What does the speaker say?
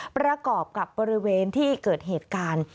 ประกอบกับบริเวณที่เกิดเหตุการณ์